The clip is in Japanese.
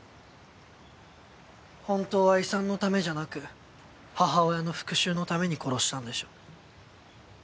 本当は遺産のためじゃなく母親の復讐のために殺したんでしょ？